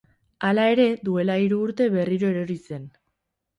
Hala ere, duela hiru urte berriro erori zen.